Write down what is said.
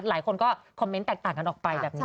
หลายคนก็คอมเมนต์แตกต่างกันออกไปแบบนี้